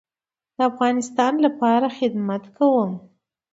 د افغانستان لپاره خدمت کوم